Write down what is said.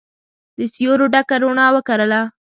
د سیورو ډکه روڼا وکرله